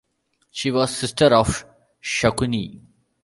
She was sister of Shakuni.